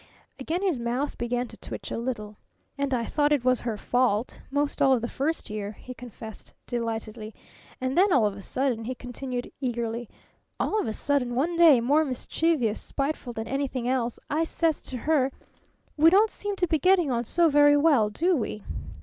Again his mouth began to twitch a little. "And I thought it was her fault 'most all of the first year," he confessed delightedly. "And then, all of a sudden," he continued eagerly, "all of a sudden, one day, more mischievous spiteful than anything else, I says to her, 'We don't seem to be getting on so very well, do we?'